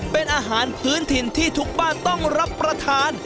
เป็นอาหารพื้นถิ่นที่ทุกบ้านต้องรับประทาน